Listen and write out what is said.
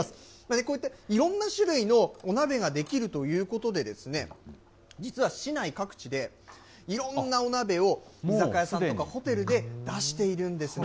こういったいろんな種類のお鍋ができるということでですね、実は市内各地で、いろんなお鍋を、居酒屋さんとかホテルで出しているんですね。